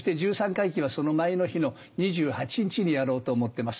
回忌はその前の日の２８日にやろうと思ってます。